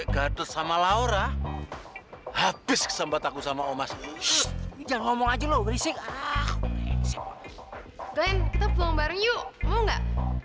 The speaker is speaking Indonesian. glenn kita peluang bareng yuk mau gak